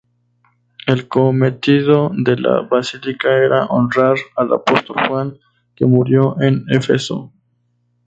El cometido de la basílica era honrar al apóstol Juan, que murió en Éfeso.